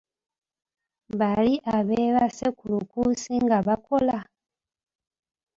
Bali abeebase ku lukuusi nga baakola!